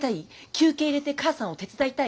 休憩入れて母さんを手伝いたい？